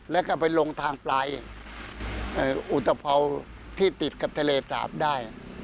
แล้วก็ไปลงทางปลายอุตภัวที่ติดกับทะเลสาบได้